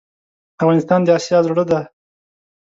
افغانستان دا اسیا زړه ډی